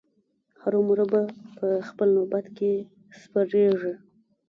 هرو مرو به په خپل نوبت کې سپریږي.